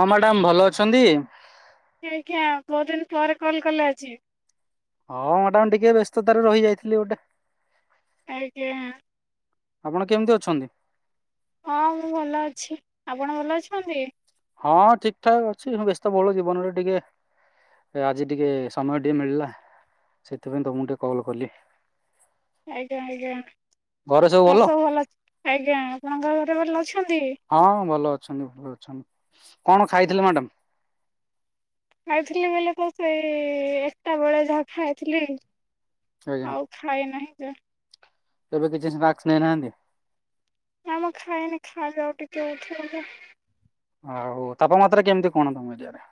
ହଁ ମ୍ୟାଡାାମ ଭଲ ଅଛନ୍ତି। ଆଜ୍ଞା ବହୁତ ଦିନ ପରେ କଲ କଲେ ଆଜି। ହଁ ମ୍ୟାଡମ ଟିକେ ବ୍ୟସ୍ତତାରେ ରହି ଯାଇଥିଲି ଗୋଟେ ଆଜ୍ଞା। ଆପଣ କେମିତି ଅଛନ୍ତି? ହଁ ମୁଁ ଭଲ ଅଛି ଆପଣ ଭଲ ଅଛନ୍ତି। ହଁ ଠିକ ଠାକ୍ ଅଛି ମୁଁ ବ୍ୟସ୍ତ ବହୁଳ ଜୀବନରେ ଟିକେ ଆଜି ଟିକେ ସମୟ ଟିକେ ମିଳିଲା ସେଥିପାଇଁ ତ ମୁକୁ ଟିକେ କଲ୍ କଲି ଆଜ୍ଞା ଆଜ୍ଞା ଘରେ ସବୁ ଭଲ ଅ ଆଜ୍ଞା ଆପଣଙ୍କ ଘରେ ଭଲ ଅଛି। ହଁ ଭଲ ଅଛନ୍ତି ଭଲ ଅଛନ୍ତି କଣ ଖାଇଥିଲେ ମ୍ୟାଡାମ ଖାଇଥିଲି ବୋଲେ ତ ସେଇ ଏକଟା ବଳେଆ ଯାଗ ଖ ଖାଇଥିଲି। ଆଉ ଖାଏ ନାହିଁ। ଆଜ୍ଞା। ତବେ କିଛି ରାକ୍ସ ନେଇନାହାନ୍ତି। ଆମ ଖାଏନି ଖାଇବା ଆଉ ଟିକେ ଉଠ ହ ହଉ ତାପମାତ୍ରା କେମିତି କଣ ତମ ଏଠଆରେ?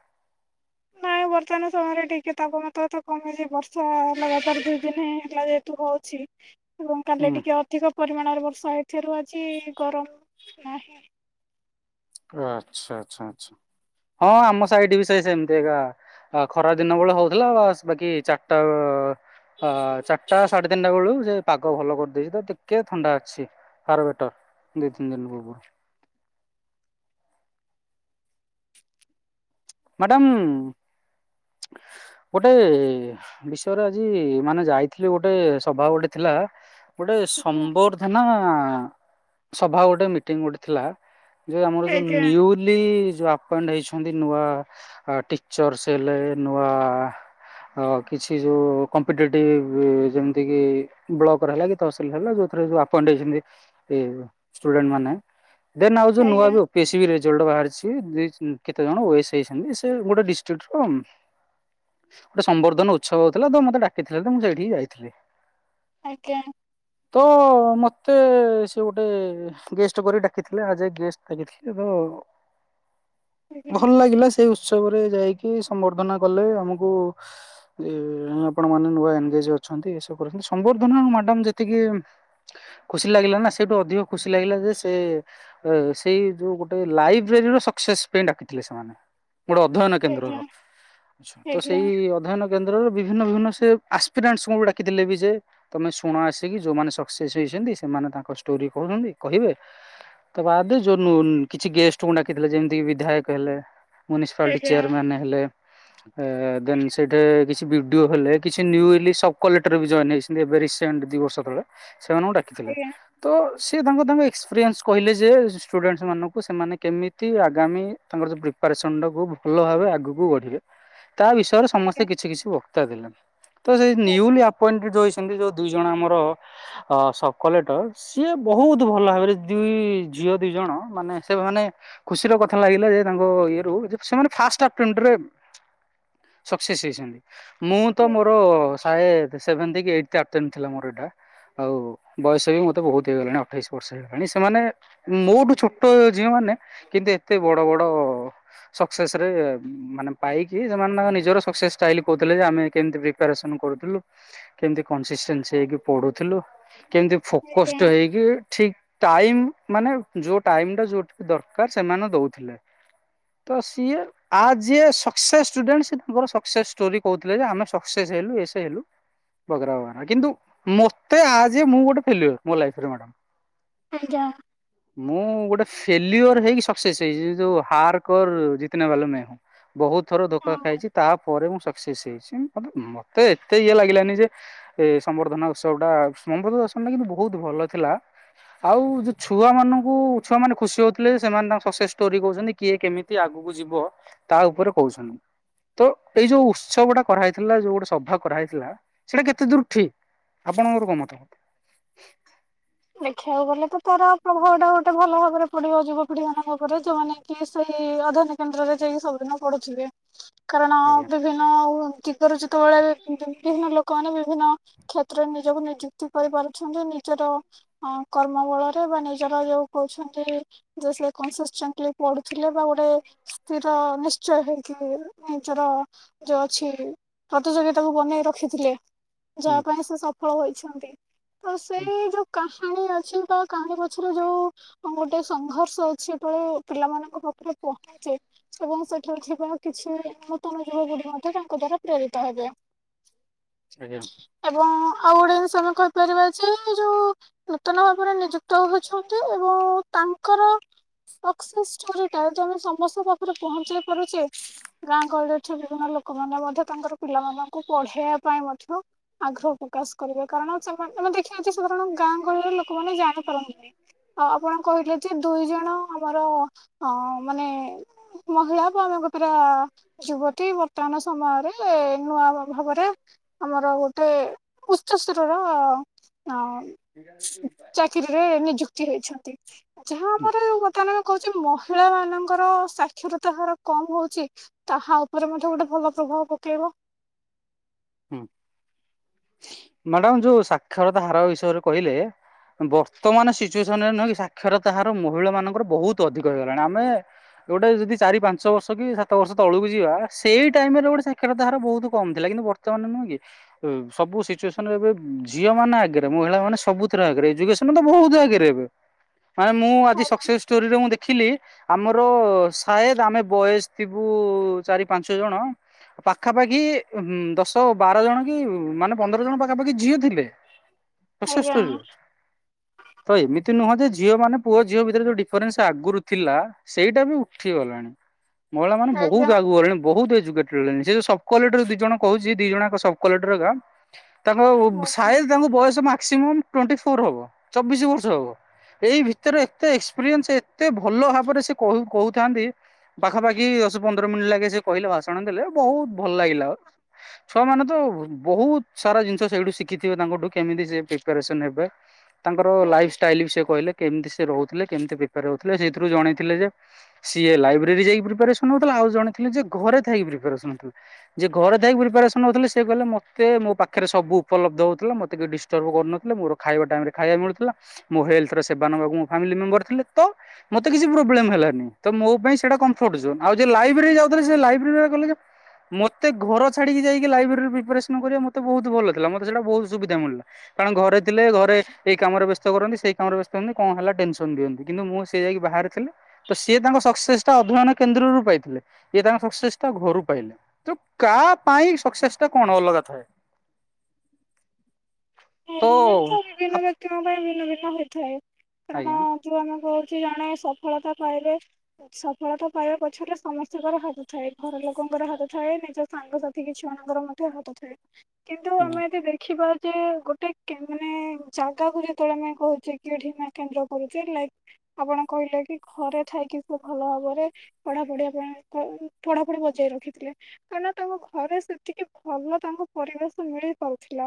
ନାଇଁ ବର୍ତ୍ତମାନ ସମୟରେ ଟିକେ ତାପମାତ୍ରା ତ କମେଛି ବର୍ଷା ଲଗାତାର ଦୁଇ ଦିନ ହେଲା ଯେହେତୁ ହଉଛି। ଏବଂ କାଲି ହୁଁ ଟିକେ ଅଧିକ ପରିମାଣରେ ବର୍ଷା ଏଥିରୁ ଅଛି ଗରମ ନାହିଁ। ଆଛା ଆଛା ଆଛା ହଁ ଆମ ସାଇଡି ବି ସେଇ ସେମିତି କା ଖରା ଦିନ ବେଳ ହଉଥିଲା ବାସ୍ ବାକି ଚାରିଟା ଚାରିଟା ସାଢେ ତିନିଟା ବେଳକୁ ସେ ପାଗ ଭଲ କରିଦେଇଛି ତ ଟିକେ ଥଣ୍ଡା ଅଛି ଫାର ବେଟର ଦି ତିନି ଦିନ ପୂର୍ବରୁ। ମ୍ୟାଡାମ ଗୋଟେ ବିଷୟରେ ଆଜି ମାନେ ଯାଇଥିଲୁ ଗୋଟେ ସଭା ଗୋଟେ ଥିଲା ଗୋଟେ ସମ୍ବର୍ଦ୍ଧନା ହଁ, ସଭା ଗୋଟେ ମିଟିଂ ଗୋଟେ ଥିଲା। ଯେ ଆମର ଯୋଉ ଆଜ୍ଞା ନିୟୁଲି ଯେଉଁ ଆପେଣ୍ଡ ହେଇଛନ୍ତି ନୂଆ ଟିଚର୍ସ ହେଲେ ନୂଆ କିଛି ଯୋଉ କମ୍ପିଟେଟିଭ ଯେମିତିକି ବ୍ଲକର ହେଲା କି ତହସିଲ ହେଲା ଯୋଉଥିରେ ଆପଏଣ୍ଟ ହେଇଛନ୍ତି ଷ୍ଟୁଡେଣ୍ଟ ମାନେ ଦେନ ଆଉ ଯଉ ନୂଆ ଆଜ୍ଞା। ବି ଓପି ବିହିଛି ଜଉଟା ବାହାରିଛି ଦି କେତେ ଜଣ ଓ ଏସ ଦେଛନ୍ତି। ସେ ଗୋଟେ ଡିଷ୍ଟ୍ରିକ୍ଟର ଗୋଟେ ସମ୍ବର୍ଦ୍ଧନ ଉତ୍ସବ ହଉଥିଲା ତ ମୋତେ ଡାକିଥିଲେ ତ ମୁଁ ସେଇଠି ଯାଇଥିଲି। ଆଜ୍ଞା ତ ମ ମତେ ସେ ଗୋଟେ ଗେଷ୍ଟ କରି ଡାକିଥିଲେ ଆଜ୍ ଏ ଗେଷ୍ଟ ଡାକିଥିଲେ ତ ଆଜ୍ଞା ଭଲ ଲାଗିଲା ସେ ଉତ୍ସବରେ ଯାଇକି ସମ୍ବର୍ଦ୍ଧନା କଲେ ଆମକୁ ଆପଣ ମାନେ ନୂଆ ଏନଗେଜ୍ ଅଛନ୍ତି ଏସବୁ ଅଛନ୍ତି ସମ୍ବର୍ଦ୍ଧନା ମ୍ୟାଡମ ଯେତିକି ଖୁସି ଲାଗିଲା ନା ସେଇଠୁ ଅଧିକ ଖୁସି ଲାଗିଲା ଯେ ସେ ସେଇ ଯୋଉ ଗୋଟେ ଲାଇବେରୀର ସକ୍ସେସ ପାଇଁ ଡାକିଥିଲେ ସେମାନେ। ଗୋଟେ ଅଧ୍ୟୟନ ଆଜ୍ଞା କେନ୍ଦ୍ରର ଛତ ଆଜ୍ଞା ସେଇ ଅଧ୍ୟୟନ କେନ୍ଦ୍ରରେ ବିଭି ବିଭିନ୍ନ ବିଭିନ୍ନ ସେ ଆସ୍ପିରାନ୍ସ କୁ ଡାକିଥିଲେ ବି ସେ ତମେ ଶୁଣ ଆସିକି ଯୋଉମାନେ ସକ୍ସେସ୍ ହେଇଛନ୍ତି ସେମାନେ ତାଙ୍କ ଷ୍ଟୋରି କହୁଛନ୍ତି କହିବେ ତା ବାଦ ଯୋଉ କିଛି ଗେଷ୍ଟଙ୍କୁ ଡାକିଥିଲେ ଯେମିତିକି ବିଧାୟକ ହେଲେ ମ୍ୟୁନିସିପାଲିଟି ଆଜ୍ଞା ଚେୟାରମ୍ୟାନ୍ ହେଲେ ଦେନ୍ ସେଇଠେ କିଛି ହେଲେ କିଛି ସବକଲେକ୍ଟର ବି ଜଏନ୍ ହେଇଛନ୍ତି ରସେଣ୍ଟ ଦି ବର୍ଷ ତଳେ। ସେମାନଙ୍କୁ ଡାକିଥିଲେ ଆଜ୍ଞା ।ତ ସେ ତାଙ୍କ ତାଙ୍କ ଏକ୍ସପିରିଏନ୍ସ କହିଲେ ଯେ ଷ୍ଟୁଡେଣ୍ଟସ୍ ମାନଙ୍କୁ ସେମାନେ କେମିତି ଆଗାମୀ ତାଙ୍କର ପ୍ରି ପାସଣ୍ଡ କୁ ଭଲ ଭାବେ ଆଗକୁ ବଢିବେ। ତା ବିଷୟରେ ସମସ୍ତେ କିଛି କିଛି କତଦଥିଲା। ତ ସେଇ ନିଉଲି ଆପଏଣ୍ଟେଡ ଯଉ ଯଉ ଦିଇ ଜଣ ଆମର ସବକଲେକ୍ଟର ସିଏ ବହୁତ ଭଲ ଭାବରେ ଦୁଇ ଝିଅ ଦି ଜଣ ମାନେ ସେ ମାନେ ଖୁସିର କଥା ଲାଗିଲା ଯେ ତା ଇଏ ରୁ ସେମାନେ ଫାଷ୍ଟ ଆଟେଣ୍ଡେରେ ସକ୍ସେସ୍ ହେଇଛନ୍ତି। ମୁଁ ତ ମୋର ସାହେ ସେଭେନ୍ କି ଏଇଟ୍ ଆଟେଣ୍ଡେ ଥିଲା ମୋର ଏଇଟା ଆଉ ବୟସ ବି ମୋତେ ବହୁତ ହେଇଗଲାଣି ଅଠେଇଶ ବର୍ଷ ହେଇଗଲାଣି ସେମାନେ ମୋଠୁ ଛୋଟ ଝିଅମାନେ କିନ୍ତୁ ଏତେ ବଡ଼ ବଡ଼ ସକ୍ସେସରେ ମାନେ ପାଇକି ସେମାନେ ତାଙ୍କ ନିଜର ସକ୍ସେସ ଟା କହୁଥିଲେ ଯେ ଆମେ କେମତି ପ୍ରିପ୍ରେୟାରେସନ କରୁଥିଲୁ କେମତିସି କନସିଣ୍ଟାସି ହେଇକି ପଢୁଥିଲୁ। କେମିତି ଆଜ୍ଞା ଫୋକଷ୍ଟ ହେଇକି ଠିକ୍ ଟାଇମ ମାନେ ଯୋଉ ଟାଇମ ଟା ଯୋଉଥିରେ ଦରକାର ସେମାନେ ଦଉଥିଲେ। ତ ସିଏ ଆଜଏ ସକ୍ସେସ୍ ଷ୍ଟୁଡେଣ୍ଟ ମେ ତାଙ୍କର ସକ୍ସେସ୍ ଷ୍ଟୋରି କହୁଥିଲେ ଯେ ଆମେ ସକ୍ସେସ୍ ହେଲୁ ଏସେ ହେଲୁ ବଗେରାବ ଗେରା କିନ୍ତୁ ମତେ ଆଜ ଏ ମୁଁ ଗୋଟେ ଫେଲୁଅର ମୋ ଲାଇଫରେ ମ୍ୟାଡମ। ଆଜ୍ଞା। ମୁଁ ଗୋଟେ ଫେଲିୟୋର ହେଇକି ସକ୍ସେସ୍ ହେଇ ଯୋଉ ହାର୍ କ ଜିତେ ନାଁ ବାଲା ମେ ହୁଁ ବହୁତ ଥର ଧୋକା ହଁ ଖାଇଛି। ତା ପରେ ମୁଁ ସକ୍ସେସ୍ ହେଇଛି। ମତେ ମତେ ଏତେ ଇଏ ଲାଗିଲାନି ଯେ ଏ ସମ୍ବର୍ଦ୍ଧନା ଉତ୍ସବ ଟା ସମ୍ବର୍ଦ୍ଧନା ଦର୍ଶନ ଟା କିନ୍ତୁ ବହୁତ ଭଲ ଥିଲା। ଆଉ ଯୋଉ ଛୁଆ ମାନଙ୍କୁ ଛୁଆ ମାନେ ଖୁସି ହଉଥିଲେ। ସେମାନେ ତାଙ୍କ ସକ୍ସେସ୍ ଷ୍ଟୋରି କହୁଛନ୍ତି। କିଏ କେମିତି ଆଗକୁ ଯିବ ତା ଉପରେ କହୁଛନ୍ତି। ତ ଏଇ ଯୋଉ ଉତ୍ସବଟା କରାହେଇଥିଲା ଯୋଉ ଗୋଟେ ସଭା କରାହେଇଥିଲା ସେଇଟା କେତେ ଦୂର ଠିକ୍ ଆପଣଙ୍କର କଣ ମତ? ଦେଖିବାକୁ ପଢିବ ଯୁବପିଢି ମାନଙ୍କ ଉପରେ ଯୋଉମାନେ କି ସେଇ ଅଧ୍ୟୟନ କେନ୍ଦ୍ରରେ ଯାଇକି ସବୁଦିନ ପଢୁଥିବେ। କାରଣ ଆଜ୍ଞା ବିଭିନ୍ନ ଚତ ରଚିତ ବେଳେ ବିଭିନ୍ନ ଲୋକମାନେ ବିଭିନ୍ନ କ୍ଷେତ୍ରରେ ନିଜକୁ ନିଯୁକ୍ତି କରିପାରୁଛନ୍ତି। ନିଜର କର୍ମ ବଳରେ ବା ନିଜର ଯୋଉ କହୁଛନ୍ତି। ଯେ ସେ କସ [unintelligible] ପଢୁ ଥିଲେ ବା ଗୋଟେ ସ୍ଥି ତ ନିଶ୍ଚୟ ହେଇକି ନିଜର ଯୋଉ ଅଛି ପ୍ରତିଯୋଗିତାକୁ ବନେଇ ରଖିଥିଲେ। ହୁଁ ଯାହା ପାଇଁ ସେ ସ ହ ହୋଇଛନ୍ତି। ତ ହୁଁ ସେଇ ଯୋଉ କାହାଣୀ ଅଛି ବା କାହାଣୀ ପଛରେ ଯୋଉ ଗୋଟେ ସଂଘର୍ଷ ଅଛି। ଯେତେବେଳେ ପିଲାମାନଙ୍କ ପାଖରେ ପହଞ୍ଚେ ଏବଂ ସେଠାରେ ଥିବା କିଛି ନୂତନ ଯୁବପିଢି ମଧ୍ୟ ତାଙ୍କ ଦ୍ଵାରା ପ୍ରେରିତ ହେବେ। ଆଜ୍ଞା। ଏବଂ ଆଉ ଗୋଟେ ଜିନିଷ ଆମେ କହିପାରିବା ଯେ ଯୋଉ ନୂତନ ଭାବରେ ନିଯୁକ୍ତ ହଉଛନ୍ତି ଏବଂ ତାଙ୍କର ସକ୍ସେସ୍ ଷ୍ଟୋରି ଟା ଯଦି ଆମେ ସମସ୍ତଙ୍କ ପାଖରେ ପହଞ୍ଚେଇ ପାରୁଛେ। ଗାଁ ଗହଳିରେ ଠଥିବା ବିଭିନ୍ନ ଲୋକମାନେ ମଧ୍ୟ ତାଙ୍କର ପିଲାମାନଙ୍କୁ ପଢେଇବା ପାଇଁ ମଧ୍ୟ ଆଗ୍ରହ ପ୍ରକାଶ କରିବେ। କାରଣ ତମେ ଦେଖିବା ଅଛି ସୁଧାରଣ ଗାଁ ଗହଳିରେ ଲୋକମାନେ ଜାଣିପାରନ୍ତିନି। ଆଉ ଆପଣ କହିଲେ ଯେ ଦୁଇ ଜଣ ଆମର ଅ ମାନେ ମହିଳା ବା ଆମେ ଗ ପା ଯୁବତୀ ବର୍ତ୍ତମାନ ସମୟରେ ନୂଆ ଭାବରେ ଆମର ଗୋଟେ ଉଶ୍ଚ [unintelligible] ଚାକିରିରେ ନିଯୁକ୍ତି। ହେଇଛନ୍ତି। ଯାହା ହୁଁ ଆମର କଥା ମାନେ କହୁଛେ ମହିଳା ମାନ ଙ୍କର ସାକ୍ଷରତା ହାର କମ୍ ହଉଛି। ତାହା ଉପରେ ମଧ୍ୟ ଗୋଟେ ଭଲ ପ୍ରଭାବ ପକେଇବ। ହୁଁ ମ୍ୟାଡାମ ଯୋଉ ସାକ୍ଷରତା ହାର ବିଷୟରେ କହିଲେ ବର୍ତ୍ତମାନ ସିଚୁଏସନ ରେ ନହଁ ସାକ୍ଷରତା ହାର ମହିଳା ମାନଙ୍କର ବହୁତ ଅଧିକ ହେଇଗଲାଣି। ଆମେ ଗୋଟେ ଯଦି ଚାରି ପାଞ୍ଚ ବର୍ଷ କି ସାତ ବର୍ଷ ତଳକୁ ଯିବା ସେଇ ଟାଇମ୍ ରେ ଗୋଟେ ସାକ୍ଷରତା ହାର ବହୁତ କମ୍ ଥିଲା। କିନ୍ତୁ ବର୍ତ୍ତମାନ ମାନେ ନୁହେଁ କି ସବୁ ସିଚୁଏସନ ଏ ଝିଅ ମାନେ ଆଗେରେ। ମହିଳା ମାନେ ସବୁଥିରେ ଆଗେରେ। ଏଜୁକେସନ ତ ବହୁତ ଆଗେରେ ଏବେ। ମାଇ ମୁଁ ଆଜି ସକ୍ସେସ୍ ଷ୍ଟୋରିରେ ମୁଁ ଦେଖିଲି। ଆମର ସାଏଦ ଆମେ ବୟସ ଥିବୁ ଚାରି ପାଞ୍ଚ ଜଣ ପାଖାପାଖି ଦଶ ତ ବାର ଜଣ କି ମାନେ ପନ୍ଦର ଜଣ ପାଖାପାଖି ଝିଅ ଥିଲେ। ଆଜ୍ଞା ତ ଏମିତି ଏ ନୁହଁ ଯେ ଝିଅ ମାନେ ପୁଅ ଝିଅ ଭିତରେ ଯୋଉ ଡିଫରେନ୍ସ ଆଗରୁ ଥିଲା ସେଇଟା ବି ଉଠିଗଲାଣି। ମହିଳାମାନେ ବହୁତ ଆଜ୍ଞା ଆଗୁ ଗଲେଣି। ବହୁତ ଖେଳେନି ସେ ଯଉ ସବକ୍ୱାଲିଟିରୁ ଦୁଇ ଜଣ କହୁଛି। ଦିଇ ଜଣ ଯାକ ସବକ୍ୱାଲିଟି ରହିଲା। ତାଙ୍କର ଆଜ୍ଞା ସାଏଦ୍ ତାଙ୍କୁ ବୟସ ମା ମାକ୍ସିମମ୍ ଟ୍ବେଣ୍ଟିଫୋର୍ ହେବ ଚବିଶ ବର୍ଷ ହବ ଏଇ ଭିତରେ ଏତେ ଏକ୍ସପିରିଏନ୍ସ ଏତେ ଭଲ ଭାବରେ ସେ କହୁଥାନ୍ତି ପାଖାପାଖି ଦଶ ପନ୍ଦର ମିନିଟ୍ ଲାଗେ ସେ କହିଲେ ଭାଷଣ ଦେଲେ ବହୁତ ଭଲ ଲାଗିଲା। ଛୁଆମାନେ ତ ବହୁତ ସାରା ଜିନିଷ ସେଇଠୁ ଶିଖିଥିବେ ତାଙ୍କଠୁ କେମିତି ସେ ପ୍ରିପାରେସନ ହେବେ। ତାଙ୍କର ଲାଇଫ୍ ଆଜ୍ଞା ଷ୍ଟାଇଲ ବି ସେ କହିଲେ କେମିତି ସେ ରହୁ ଥିଲେ କେମିତି ପ୍ରେପେର୍ ହଉଥିଲେ ସେଥିରୁ ଜଣେଥିଲେ ଯେ ସିଏ ଲାଇବ୍ରେରୀ ଯାଇକି ପ୍ରିପାରେସନ ହଉଥିଲା ଆଉ ଜଣଥିଲେ ଘରେ ଥାଇକି ପ୍ରିପାରେସନ୍ ହେଉଥିଲା ଯେ ଘରେ ଥାଇକି ପ୍ରିପା ସେ କହିଲେ ମତେ ମୋ ପାଖରେ ସବୁ ଉପଲବ୍ଧ ହଉଥିଲା ମତେ କେହି ଡିଷ୍ଟର୍ବ କରୁନଥିଲେ ମୋର ଖାଇବା ଟାଇମ ରେ ଖାଇବା ମିଳୁଥିଲା ମୋ ହେଲଥର ସେବା ନବାକୁ ମୋ ଫାମିଲି ମେମ୍ବର ଥିଲେ ତ ମୋତେ କିଛି ପ୍ରୋବ୍ଲେମ ହେଲାନି ତ ମୋ ପାଇଁ ସେଟା କନଫର୍ଟ ଜୋନ ଆଉ ଲାଇବ୍ରେରୀ ଯାଉଥିଲେ ସେ ଲାଇବ୍ରେରୀ ବାଲା କହିଲେ ଯେ ମତେ ଘର ଛାଡିକି ଯାଇକି ଲାଇବ୍ରେରୀ ପ୍ରିପାରେସନ କରିବା ମତେ ବହୁତ ଭଲ ଥିଲା ମତେ ସେଟା ବହୁତ ସୁବିଧା ମିଳିଲା କାରଣ ଘରେ ଥିଲେ ଘରେ ଏଇ କାମରେ ବ୍ୟସ୍ତ କରନ୍ତି ସେଇ କାମରେ ବ୍ୟସ୍ତ ହୁଅନ୍ତି କଣ ହେଲା ଟେନସନ ଦିଅନ୍ତି କିନ୍ତୁ ମୁଁ ସେ ଯାଇକି ବାହାରେ ଥିଲେ ତ ସିଏ ତାଙ୍କ ସକ୍ସେସ୍ ଟା ଅଧ୍ୟୟନ କେନ୍ଦ୍ର ରୁ ପାଇଥିଲେ ଇଏ ତାଙ୍କ ସକ୍ସେସ୍ ଟା ଘରୁ ପାଇଲେ ତ କାହା ପାଇଁ ସକ୍ସେସ ଟା କଣ ଅଲଗା ଥାଏ। ହେ ଏ ତ ବିଭିନ୍ନ ବ୍ୟକ୍ତିଙ୍କ ପାଇଁ ଭିନ୍ନ ଭି ହୋଇଥାଏ। କାରଣ ଆଜ୍ଞା। ଯୋଉ ମାନଙ୍କ କିଛି ଜଣେ ସଫଳତା ପାଇଲେ ସଫଳତା ପାଇବା ପଛରେ ସମସ୍ତଙ୍କର ହାତ ଥାଏ ଘର ଲୋକଙ୍କର ହାତ ଥାଏ ନିଜ ସାଙ୍ଗସାଥି କିଛି ଜଣଙ୍କର ମଧ୍ୟ ହାତ ଥାଏ। କିନ୍ତୁ ଆମେ ଯଦି ଦେଖିବା ଯେ ଗୋଟେ ମାନେ ଜାଗାକୁ ଯେତେବେଳେ ଆମେ କହୁଛେ କି ଢିମା କେନ୍ଦ୍ର କରୁଛେ ଲାଇକ ଆପଣ କହିଲେ କି ଘରେ ଥାଇକି ସେ ଭଲ ଭାବରେ ପଢାପଢି ଆପଣଙ୍କ ପଢାପଢି ବଜେଇ ରଖିଥିଲେ କାହିଁନା ତାଙ୍କ ଘରେ ସେତିକି ଭଲ ତାଙ୍କ ପରିବେଶ ମିଳିପାରୁଥିଲା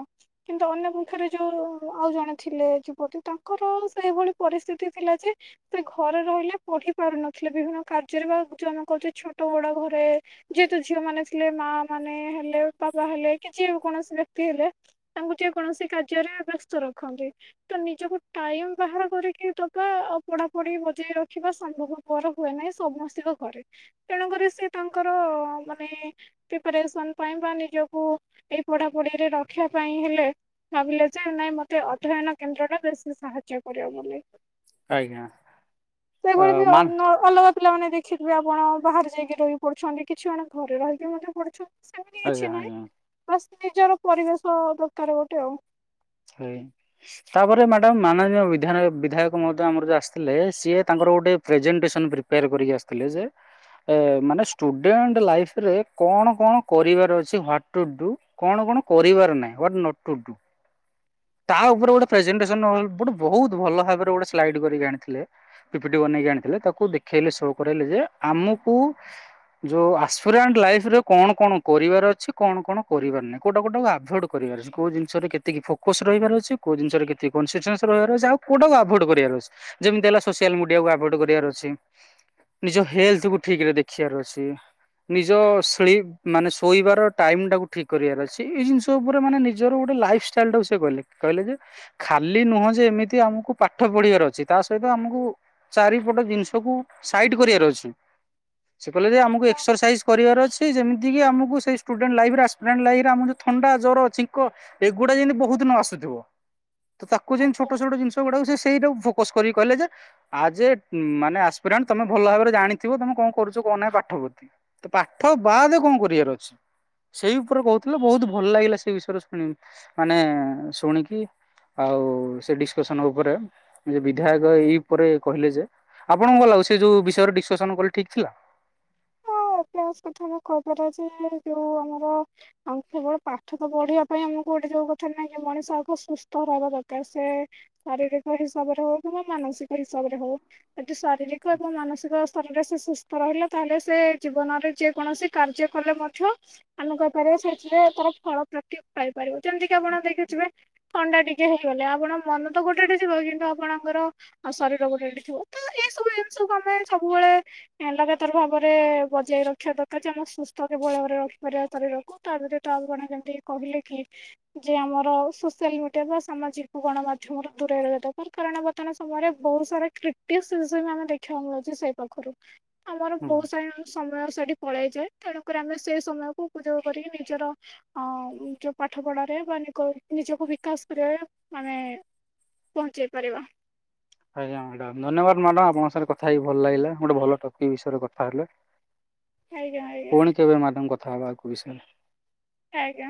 କିନ୍ତୁ ଅନ୍ୟ ଖରେ ଯୋଉ ଆଉ ଜଣେ ଥିଲେ ଯୁବତୀ ତାଙ୍କର ସେଇଭଳି ପରିସ୍ଥିତି ଥିଲା ଯେ ସେ ଘରେ ରହିଲେ ପଢି ପାରୁନଥିଲେ ବିଭିନ୍ନ କାର୍ଯ୍ୟରେ ବା ଯୋଉ ଆମେ କହୁଛେ ଛୋଟ ବଡ ଘରେ ଯେହେତୁ ଝିଅ ମାନେ ଥିଲେ ମା ମାନେ ହେଲେ ବାବା ହେଲେ କି ଯିଏ କୌଣସି ବ୍ୟକ୍ତି ହେଲେ ତାଙ୍କୁ ଯିଏ କୌଣସି କାର୍ଯ୍ୟରେ ବ୍ୟସ୍ତ ରଖନ୍ତି ତ ନିଜକୁ ଟାଇମ ବାହାର କରିକି ଦବା ପଢ଼ାପଢ଼ି ବଜେଇ ରଖିବା ସମ୍ଭବପର ହୁଏ ନାହିଁ ସମସ୍ତଙ୍କ ଘରେ ତେଣୁକରି ସେ ତାଙ୍କର ମାନେ ପ୍ରିପାରେସନ ପାଇଁ ବା ନିଜକୁ ଏଇ ପଢାପଢ଼ିରେ ରଖିବା ପାଇଁ ହେଲେ ଭାବିଲେ ଯେ ନାଇଁ ମତେ ଅଧ୍ୟୟନ କେନ୍ଦ୍ର ଟା ବେଶୀ ସାହାଯ୍ୟ କରିବ ବୋଲି। ଆଜ୍ଞା ସେଭଳି ବି ମାନ ଅଲଗା ପିଲାମାନେ ଦେଖିଥିବେ ଆପଣ ବାହାରେ ଯାଇକି ରହିକି ପଢ଼ୁଛନ୍ତି କିଛି ମାନେ ଘରେ ରହିକି ମଧ୍ୟ ପଢୁଛନ୍ତି। ଏମିତି ଆଜ୍ଞା କିଛି ନାଇଁ ଆଜ୍ଞା। ବାସ ନିଜର ପରିବେଶ ଦରକାର ହେବ। ଆଉ। ତାପରେ ମ୍ୟାଡ଼ାମ ମାନନୀୟ ବିଧାୟକ ମହୋଦୟ ଆମର ଯଉ ଆସିଥିଲେ ସିଏ ତାଙ୍କର ଗୋଟେ ପ୍ରେଜେଣ୍ଟେସନ ପ୍ରିପେୟାର କରିକି ଆସିଥିଲେ ଯେ ମାନେ ଷ୍ଟୁଡେଣ୍ଟ ଲାଇଫରେ କଣ କଣ କରିବାର ଅଛି ହାଟ ଟୁ ଡୁ କଣ କଣ କରିବାର ନାହିଁ ହ୍ୱାଟ ନଟ ଟୁ ଡୁ। ତା ଉପରେ ଗୋଟେ ପ୍ରେଜେଣ୍ଟେସନ ଗୋଟେ ବହୁତ ଭଲ ଭାବରେ ଗୋଟେ ସ୍ଲାଇଡ କରିକି ଆଣିଥିଲେ ପିପିଟି ବନେଇକି ଆଣିଥିଲେ ତାକୁ ଦେଖେଇଲେ ଶୋ କରେଇଲେ ଯେ ଆମକୁ ଯଉ ଅସ୍ପରେଣ୍ଟ ଲାଇଫ ରେ କଣ କଣ କରିବାର ଅଛି କଣ କଣ କରିବାର ନାହିଁ କୋଉଟା କୋଉଟାକୁ ଆଭଏଡ୍ କରିବାର ଅଛି କଉ ଜିନିଷରେ କେତିକି ଫୋକ କସ୍ ରହିବାର ଅଛି କଉ ଜିନିଷରେ କେତିକି କଣ କନ୍ସିଷ୍ଟାନ୍ସ ରହିବାର ଅଛି ଆଉ କୋଉଟାକୁ ଆଭୋଏଡ କରିବାର ଅଛି ଯେମିତି ହେଲା ସୋସିଆଲ ମିଡିଆକୁ ଆଭୋଏଡ କରିବାର ଅଛି ନିଜ ହେଲଥ କୁ ଠିକ ରେ ଦେଖିବାର ଅଛି ନିଜ ଶ ମାନେ ଶୋଇବାର ଟାଇମ ଟାକୁ ଠିକ କରିବାର ଅଛି ଏଇ ଜିନିଷ ଉପରେ ମାନେ ନିଜର ଗୋଟେ ଲାଇଫଷ୍ଟାଇଲ ଟା ସେ କହିଲେ କହିଲେ ଯେ ଖାଲି ନୁହଁ ଯେ ଏମିତି ଆମକୁ ପାଠ ପଢିବାର ଅଛି ତା ସହିତ ଆମକୁ ଚାରିପଟ ଜିନିଷକୁ ସାଇଡ କରିବାର ଅଛି। ସେ କହିଲେ ଯେ ଆମକୁ ଆଜ୍ଞା ଏକ୍ସରସାଇଜ କରିବାର ଅଛି ଯେମିତି ଆମକୁ ସେଇ ଷ୍ଟୁଡେଣ୍ଟ ଲାଇଫରେ ଆସ୍ପିରେଣ୍ଟ ଲାଇଫରେ ଆମର ଥଣ୍ଡା ଜର ଛିଙ୍କ ଏଗୁଡା ଯେମିତି ବହୁ ନ ଆସୁଥିବ। ତ ତାକୁ ଯେମିତି ଛୋଟ ଆଜ୍ଞା। ଛୋଟ ଜିନିଷ ସେ ଗୁଡାକୁ ସେ ସେଇଟାକୁ ଫୋକସ କରିକି କହିଲେ ଯେ ଆଜ ଏ ମାନେ ଆସ୍ପାରାଣ୍ଟ ତମେ ଭଲ ଭାବରେ ଜାଣିଥିବ ତମେ କଣ କରୁଚ କଣ ନାହିଁ ପାଠ ପ୍ରତି ତ ପାଠ ବାଦ କଣ କରିବାର ଅଛି ସେଇ ଉପରେ କହୁଥୁଲେ ବହୁତ ଭଲ ଲାଗିଲା ସେ ବିଷୟରେ ଶୁଣି ମାନେ ଶୁଣିକି ଆଉ ସେ ଡିସକସନ ଉପରେ ଯେ ବିଧାୟକ ଏଇ ଉପରେ କହିଲେ ଯେ ଆପଣଙ୍କୁ କଣ ଲାଗୁଛି ସେ ଯୋଉ ବିଷୟରେ ଡିସକସନ କଲେ ଠିକ ଥିଲା? ହଁ [unintelligible] କରବାର ଯେ ଯୋଉ ଆମର କେବଳ ପାଠ ତ ପଢିବା ପାଇଁ ଆମକୁ ଗୋଟେ ଯୋଉ କଥା ନାହିଁ କି ମଣିଷ ଆଗ ସୁସ୍ଥ ରହିବା ଦରକାର ସେ ଶାରୀରିକ ହିସାବରେ ହଉ କିମ୍ବା ମାନସିକ ହିସାବରେ ହଉ ଯଦି ଶାରୀରିକ ଏବଂ ମାନସିକ ସ୍ତରରେ ସେ ସୁସ୍ଥ ରହିଲା ତାହେଲେ ସେ ଜୀବନରେ ଯେକୌଣସି କାର୍ଯ୍ୟ କଲେ ମଧ୍ୟ ଆମେ କହିପାରିବା ସେଥିରେ ତାର ଫଳ ପ୍ରାପ୍ତି ପାଇପାରିବ ଯେମିତିକି ଆପଣ ଦେଖିଥିବେ ଥଣ୍ଡା ଟିକେ ହେଇଗଲେ ଆପଣ ମନ ତ ଗୋଟେଠି ଥିବ କିନ୍ତୁ ଆପଣଙ୍କର ଶରୀର ଗୋଟେଠି ଥିବ ତ ଏଇସବୁ ଜିନିଷକୁ ଆମେ ସବୁବେଳେ ଲଗାତାର ଭାବରେ ବଜାଇ ରଖିବା ଦରକାର ଯେ ଆମ ସୁସ୍ଥ [unintelligible] ଭାବରେ ରଖିପାରିବା ଶରୀରକୁ ତାପରେ ଏଟା ଆଉ କଣ କେମିତି କହିଲେକି ଯେ ଆମର ସୋସିଆଲ ମିଡିଆ ବା ସାମାଜିକ ଗଣମାଧ୍ୟମରୁ ଦୂରେଇ ରହିବା ଦରକାର କାରଣ ବର୍ତ୍ତମାନ ସମୟରେ ବହୁତ ସାରା କ୍ରିଟିସିଯଜିମ ଆମେ ଦେଖିବାକୁ ମିଳୁଛି ସେଇ ପାଖରୁ। ଆମର ହଁ ବହୁତ ସା ସେଠି ପଳେଇଚେ ତେଣୁକରି ଆମେ ସେ ସମୟକୁ ଉପଯୋଗ କରିକି ନିଜର ଯଉ ପାଠ ପଢ଼ାରେ ବା ନିକ-ନିଜକୁ ବିକାଶ କରିବାରେ ଆମେ ପହଞ୍ଚେଇ ପାରିବା। ଆଜ୍ଞା ମ୍ୟାଡ଼ାମ ଧନ୍ୟବାଦ ମ୍ୟାଡାମ ଆପଣଙ୍କ ସାଙ୍ଗ ରେ କଥା ହେଇକି ଭଲ ଲାଗିଲା ଗୋଟେ ଭଲ ଟପିକ ବିଷୟରେ କଥା ହେଲେ। ଆଜ୍ଞା ଆଜ୍ଞା ପୁଣି କେବେ ମ୍ୟାଡ଼ାମ କ କଥା ହବା ଆଉ କୋଉ ବିଷୟରେ ଆଜ୍ଞା।